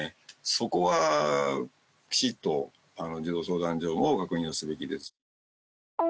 そこはきちっと児童相談所のほうが確認すべきです。